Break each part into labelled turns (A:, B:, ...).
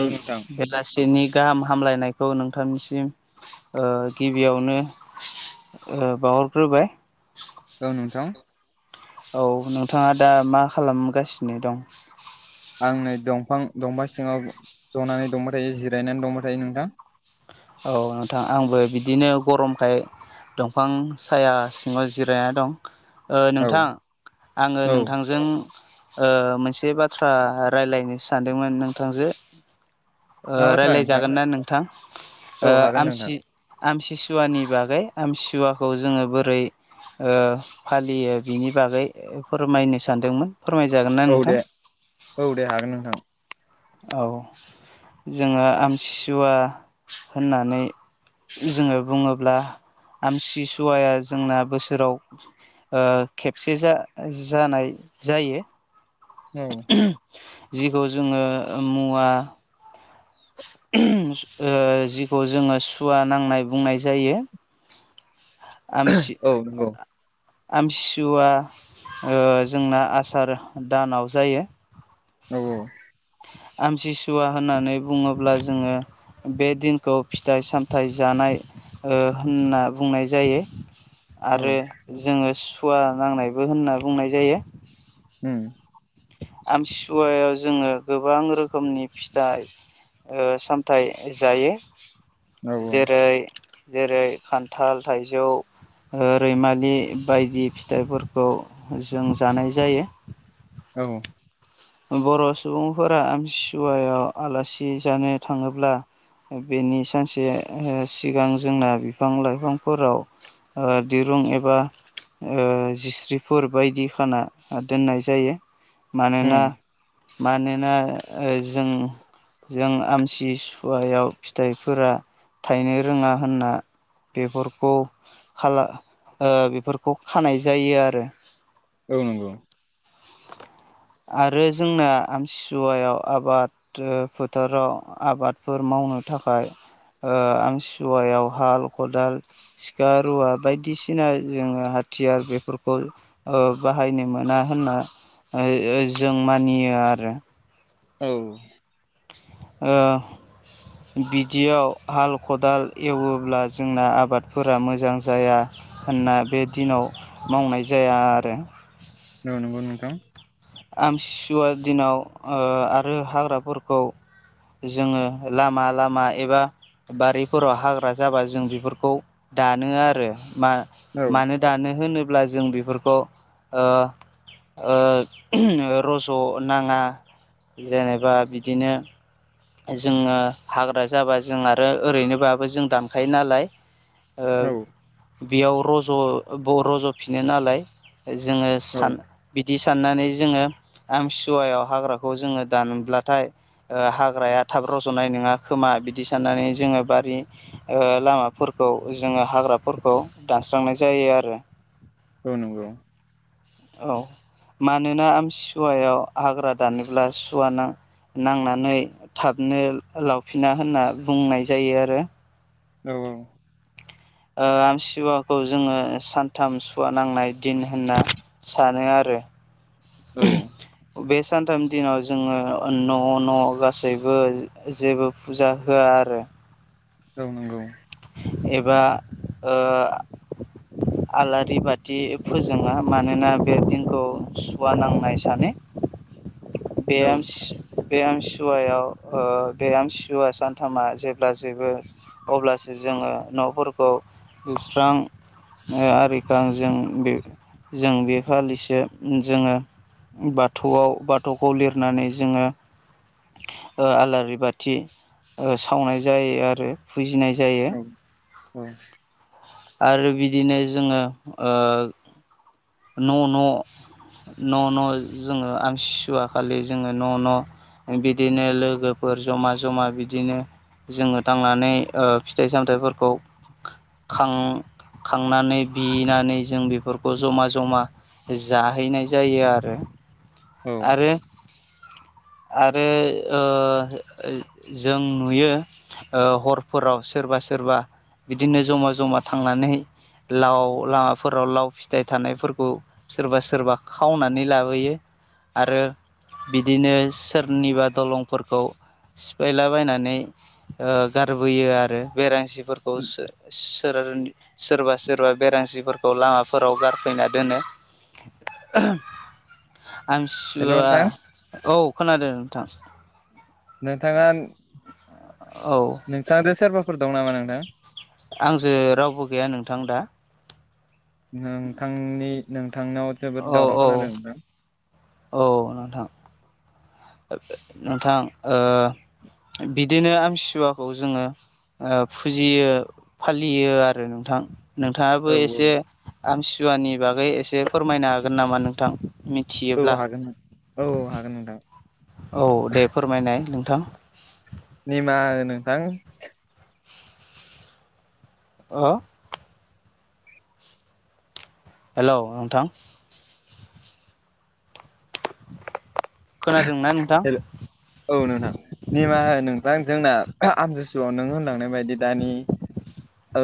A: औ नोंथां।
B: बेला। सेनि गाहाम हामलायनायखौ नोंथांनिसिम ओ गिबियावनो ओ बाहरग्रोबाय।
A: औ नोंथां।
B: औ नोंथाङा दा मा खालामगासिनो दं।
A: आं नै दंफां दंफां सिङाव जनानै दंबाय थायो जिरायनानै दंबाय थायो नोंथां।
B: औ नोंथां आंबो बिदिनो गरमखाय दंफां साया सिङाव जिरायना दं। ओ
A: औ
B: नोंथां आङो
A: औ
B: नोंथांजों। ओ मोनसे बाथ्रा राय्लायनो सानदोंमोन नोंथांजो। ओ
A: मा बाथ्रा
B: राय्लाय
A: नोंथां
B: जागोन ना नोंथां।
A: औ
B: ओ
A: हागोन नोंथां
B: आमसि आमसिसुवानि बागै आमतिसुवाखौ जोङो बोरै। ओ फालियो बिनि बागै फोरमायनो सानदोंमोन। फोरमायजागोन। ना
A: औ
B: नोंथां?
A: दे औ दे हागोन नोंथां।
B: औ जोङो आमतसुवा होननानै। जोङो बुङोब्ला आमसिसुवाया जोंना बोसोराव। ओ खेबसे जा जानाय जायो।
A: औ।
B: जिखौ जोङो ओ मुवा। ओ जिखौ जोङो सुवा नांनाय बुंनाय जायो। आमसि।
A: औ नंगौ
B: आमथिसुवा ओ जोंना आसार दानाव जायो।
A: औ औ।
B: आमसिसुवा होननानै बुङोब्ला जोङो। बे दिनखौ फिथाइ सामथायाइ जानाय। ओ होनना बुंनाय जायो।
A: औ
B: आरो जोङो सुवा नांनायबो होनना बुंनाय जायो।
A: ओम।
B: आमतिसुवायाव जोङो गोबां रोखोमनि फिथाइ। ओ सामथाय जायो
A: औ
B: जेरै। जेरै खान्थाल थाइजौ। ओ रैमालि बायदि फिथाइफोरखौ जों जानाय जायो।
A: औ
B: बर' सुबुंफोरा आमथिसुवायाव आलासि जानो थाङोब्ला बेनि सानसे ओ सिगां जोंना बिफां लाइफांफोराव ओ दिरुं एबा ओ जिस्रिफोर बायदि खाना दोननाय जायो
A: उम
B: मानोना मानोना ओ जों जों आमथिसुवायाव फिथाइफोरा थायनो रोङा होनना बेफोरखौ खाला ओ बेफोरखौ खानाय जायो आरो।
A: औ नंगौ।
B: आरो जोंना आमथिसुवायाव आबाद ओ फोथाराव आबादफोर मावनो थाखाय ओ आमथिसुवायाव हाल खदाल सिखा रुवा बायदिसिना जोङो हाथियार बेफोरखौ ओ बाहायनो मोना होनना ओ ओ जों मानियो आरो।
A: औ
B: ओ बिदियाव हाल खदाल एवोब्ला जोंना आबादफोरा मोजां जाया होनना बे दिनाव मावनाय जाया आरो।
A: औ नंगौ नोंथां।
B: आमथिसुवा दिनाव ओ आरो हाग्राफोरखौ जोंङो लामा लामा एबा बारिफोराव हाग्रा जाबा जों बेफोरखौ दानो आरो मा
A: औ
B: मानो दानो होनोब्ला जों बेफोरखौ ओ ओ रस' नाङा जेनेबा बिदिनो जोङो हाग्रा जाबा जों आरो ओरैनोबाबो जों दानखायो नालाय ओ
A: औ
B: बेयाव रज' ब रज'फिनो नालाय जोंङो
A: औ
B: सान बिदि साननानै जोंङो आमसुवायाव हाग्राखौ जोंङो दानोब्लाथाय ओ हा हाग्राया थाब रज'नाय नङा खोमा बिदि साननानै जोंङो बारि ओ लामाफोरखौ जोंङो हाग्राफोरखौ दानस्रांनाय जायो आरो।
A: औ नंगौ।
B: औ मानोना आमथि सिुवायाव हाग्रा दानोब्ला सुवा नां नांनानै थाबनो लावफिना होनना बुंनाय जायो आरो।
A: औ औ।
B: ओ आमथिसिुवाखौ जोंङो सानथाम सुवा नांनाय दिन होनना सानो आरो।
A: औ।
B: बे सानथामनि दिनाव जोंङो न' न' गासैबो जेबो फुजा होआ आरो।
A: औ नंगौ।
B: एबा ओ आलारि बाथि फोजोङा मानोना बे दिनखौ सुवा नांनाय सानो। बे
A: औ
B: आमस बे आमसुवायाव ओ बे आमसुवा सानथामा जेब्ला जेबो अब्लासो जोंङो न'फोरखौ सुस्रां आरिखां जों बे जों बे खालिसो जोंङो बाथौआव बाथौखौ लिरनानै जोंङो ओ आलारि बाथि ओ सावनाय जायो आरो फुजिनाय जायो।
A: औ।
B: आरो बिदिनो जोंङो ओ न' न' न' न' जोंङो आमथिसुवा खालि जोंङो न' न' बिदिनो लोगोफोर जमा जमा बिदिनो जोंङो थांनानै फिथाइ ओ सामथाइफोरखौ खां खांनानै बिनानै जों बेफोरखौ जमा ज जमा जाहैनाय जायो आरो।
A: औ
B: आरो आरो ओ जों नुयो ओ हरफोराव सोरबा सोरबा बिदिनो जमा जमा थांनानै लाव लामाफोराव लाव फिथाइ थानायफोरखौ सोरबा सोरबा खावनानै लाबोयो। आरो बिदिनो सोरनिबा दलंफोरखौ सिफायला बायनानै ओ गारबोयो आरो बेरांसिफोरखौ सोर सोरबा सोरबा बेरानसिफोरखौ लामाफोराव गारफैना दोनो। आमथिसु
A: हेल' नोंथां
B: औ खोनादों नोंथां।
A: नोंथाङा
B: औ।
A: नोंथांजों सोरबाफोर दं नामा नोंथां?
B: आंजों रावबो गैया नोंथां दा।
A: नोंथांनि नोंथांनाव जोबोद
B: औ
A: दावराव
B: औ
A: खोनादों? नोंथां
B: औ नोंथां। नोंथां ओ बिदिनो आमसिसुवाखौ जोङो ओ फुजियो फालियो आरो नोंथां नोंथाङाबो
A: औ
B: एसे आमसिसुवानि बागै एसे फोरमायनो हागोन नामा नोंथां
A: औ
B: मिथियोब्ला
A: हागोन औ औ हागोन नोंथां।
B: औ दे फोरमायनाय नोंथां।
A: निमाहा हो नोंथां।
B: अ हेल' नोंथां। खोनादोंना नोंथां?
A: हेल औ नोंथां निमाहा हो नोंथां जोंना आमजिसुआव नों होनलांनाय बायदि दानि ओ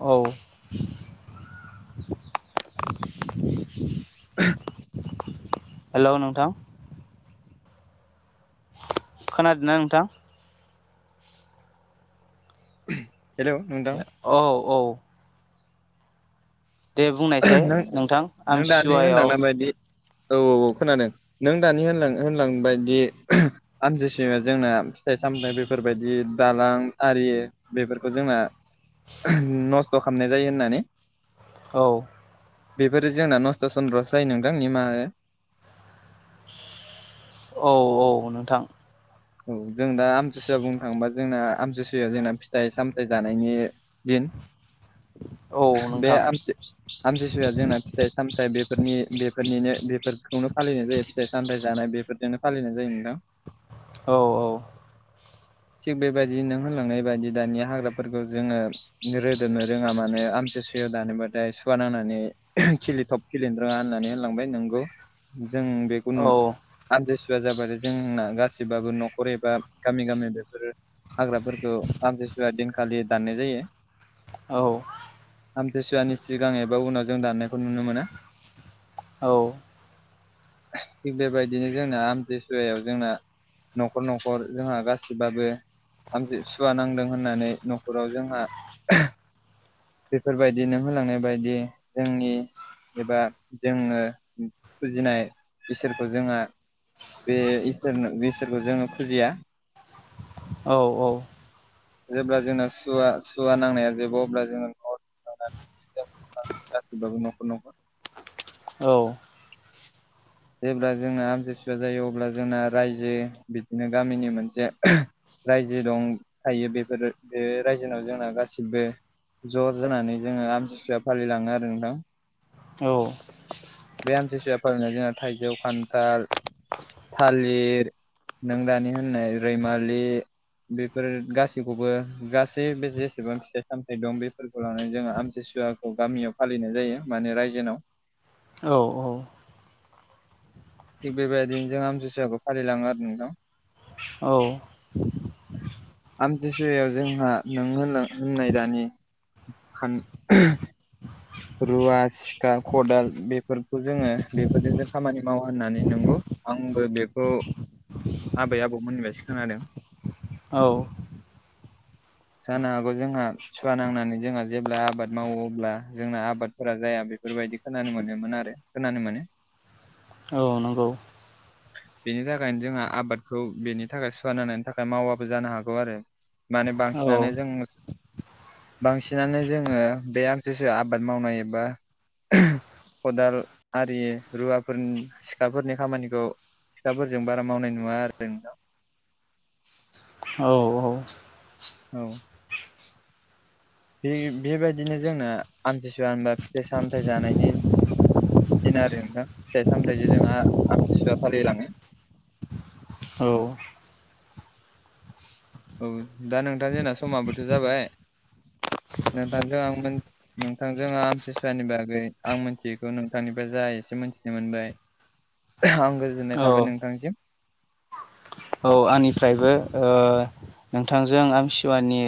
B: औ
A: [unintelligible]
B: हेल' नोंथां खोनादोंना नोंथां?
A: हेल'
B: औ औ दे बुंनायसाय
A: नों
B: नोंथां
A: नों दानि
B: आमथिसुवायाव
A: होनलांनाय बायदि औ औ औ खोनादों नों दानि होनलां होनलांबायदियै आमथि सुवाया जोंना फिथाइ सामथाइ बेफोरबायदि दालां आरि बेफोरखौ जोंना नस्थ' खालामनाय जायो। होननानै
B: औ
A: बेफोरो जोंना नस्थ' सन्द्रसो जायो नोंथां निमाहा हो
B: औ औ नोंथां
A: औ जों दा आमथिसुवा बुंनो थाङोबा जोंना आमथिसुवायाव जोंना फिथाइ सामथायाइ जानायनि दिन
B: औ
A: बे
B: नोंथां
A: आमथि आमथिसुवाया जोंना फिथाइ सामथायाइ बेफोरनि बेफोरनिनो बेफोरखौनो फालिनाय जायो। फिथाइ सामथायाइ जानाय बेफोर बेनो फालिनाय जायो नोंथां
B: औ औ
A: थिग बेबायदि नों होनलांनाय बायदि दानि हाग्राफोरखौ जोङो रोदोबनो रोङा मानो आमथिसुयाव दानोबाथाय सुवा नांनानै खिलिथब खिलिनो रोङा होननानै होनलांबाय नोंगौ जों बे
B: औ
A: खुनु आनथिसुवाआ जाबाथाय जोंना गासिबाबो न'खर एबा गामि गामिबो हाग्राफोरखौ आमथिसुवा दिनखालि दाननाय जायो।
B: औ
A: आमथिसुवानि सिगां एबा उनाव जों दानायखौ नुनो मोना।
B: औ
A: थिग बेबायदिनो जोंना आमथिसुवायाव जोंना न'खर न'खर जोंहा गासैबो गबाबो आमथि सुवा नांदों होननानै न'खराव जोंहा बेफोरबायदिनो होलांनाय बायदि जोंनि एबा जोङो फुजिनाय इसोरखौ जोंहा बे इसोरनो इसोरखौ जोङो फुजिया।
B: औ औ
A: जेब्ला जोंना सुवा सुवा नांनाया जोबो अब्ला जोङो न'नानै गासिबो नखर नखर
B: औ
A: जेब्ला जोंना आमथिसुवा जायो अब्ला जोंना रायजो बिदिनो गामिनि मोनसे रायजो दं थायो बेफोर बे रायजोनाव जोंना गासिबो ज' जानानै जोङो आमथिसुवा फालिलाङो आरो नोंथां।
B: औ
A: बे आमथिसुवा फोलिनायाव जोंहा थाइजौ, खान्थाल, थालिर लिर नों दानि होननाय रैमालि बेफोर गासैखौबो गासै बे जेसेबां फिथाइ सामथाय दं बेफोर लानानै जोङो आमथिसुवाखौ गामियाव फालिनाय जायो। माने रायजोनाव
B: औ औ
A: थिग बेबायदिनो जों आम जुसुवखौ फालिलाङो आरो नोंथां।
B: औ
A: आमथिसुवायाव जोंहा नों होननाय दानि खान रुवा, सिखा, खदाल बेफोरखौ जोङो बेफोरजों जों खामानि मावा होननानै नंगौ आंबो बेखौ आबै आबौमोननिफ्रासो खोनादों।
B: औ
A: जानो हागौ जोंहा सुवा नांनानै जोंहा जेब्ला आबाद मावो अब्ला जोंना आबादफोरा जाया बेफोरबायदि खोनानो मोनोमोन आरो खोनानो मोनो।
B: औ नंगौ।
A: बेनि थाखायनो जोंहा आबादखौ बेनि थाखाय सुवानांनायनि थाखाय मावाबो जानो हागौ आरो माने
B: औ
A: बांसिनानो जों बांसिनानो जोङो बे [unintelligible] आबाद मावनाय एबा खदाल आरि रुवाफोरनि सिखाफोरनि खामानिखौ सिखाफोरजों बारा मावनाय नुवा आरो जोंनाव
B: औ औ
A: औ बे बेबायदिनो जोंना आमथिसुवा होनबा फिथाइ सामथाय जानायनि दिन आरो नोंथां फिथाइ सामथाइजों जोंहा आमथिसुवा फालिलाङो
B: औ
A: औ दा नोंथां जोंना समाबोथ' जाबाय नोंथांखो आं मोन नोंथांजों आमतिसुवानि बागै आं मिथियैखौ नोंथांनिफ्राय जा एसे मिथिनो मोनबाय आं गोजोननाय
B: औ
A: थाबाय नोंथांसिम।
B: औ आंनिफ्रायबो नोंथांजों आमतिसुवानि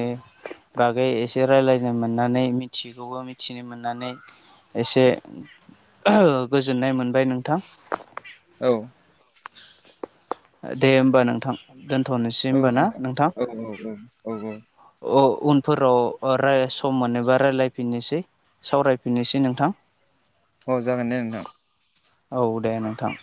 B: बागै एसे रायलायनो मोननानै मिथियैखौबो मिथिनो मोननानै एसे गोजोननाय मोनबाय नोंथां।
A: औ
B: दे होमबा नोंथां दोनथ'नोसै
A: औ
B: होमबा ना नोंथां?
A: औ औ औ
B: उनफोराव सम मोन एबा रायलायफिननोसै सावरायफिननोसै नोंथां।
A: औ जागोन दे नोंथां।
B: औ दे नोंथां।